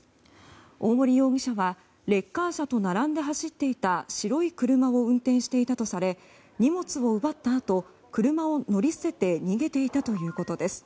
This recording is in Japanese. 大森容疑者はレッカー車と並んで走っていた白い車を運転していたとされ荷物を奪ったあと車を乗り捨てて逃げていたということです。